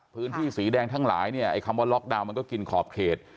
พื้นที่สีแดงทั้งหลายคำว่าล็อกดาวน์ก็กินขอบเขต